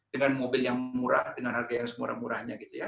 dengan mobil yang murah dengan harga yang semurah murahnya gitu ya